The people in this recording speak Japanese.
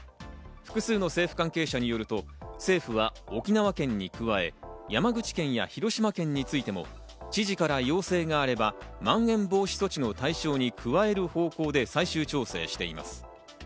複数の政府関係者によると政府は沖縄県に加え、山口県や広島県についても知事から要請があれば、まん延防止措置の対象に加える方向で最終調整しています。